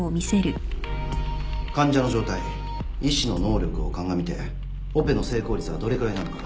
患者の状態医師の能力を鑑みてオペの成功率はどれぐらいなのか。